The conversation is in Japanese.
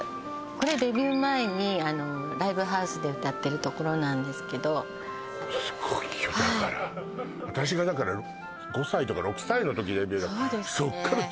これデビュー前にライブハウスで歌ってるところなんですけどすごいよだからはい私がだから５歳とか６歳の時デビューそうですね